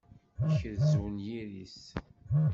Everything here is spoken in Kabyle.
Yekrez unyir-is.